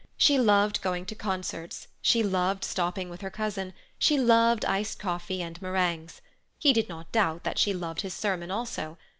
She loved going to concerts, she loved stopping with her cousin, she loved iced coffee and meringues. He did not doubt that she loved his sermon also.